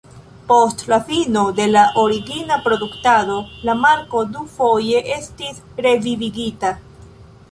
Post la fino de la origina produktado, la marko dufoje estis revivigita.